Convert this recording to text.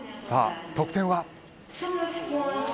さあ、得点は。